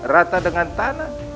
rata dengan tanah